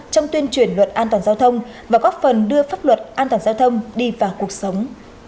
trong tuyên truyền luật an toàn giao thông và góp phần đưa pháp luật an toàn giao thông đi vào cuộc sống